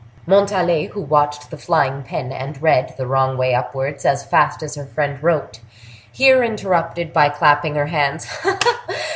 Montalais, who watched the flying pen, and read, the wrong way upwards, as fast as her friend wrote, here interrupted by clapping her hands.